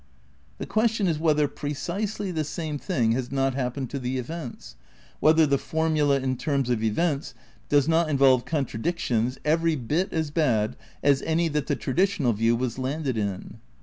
The question is whether precisely the same thing has not happened to the events, whether the formula in terms of events does not involve contradictions every bit as bad as any that the traditional view was landed in.